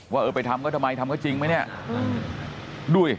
ว่าเออไปทำเขาทำไมทำเขาจริงไหมเนี่ยดูดิ